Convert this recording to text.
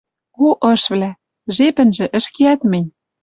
О ышвлӓ, жепӹнжӹ ӹшкеӓт мӹнь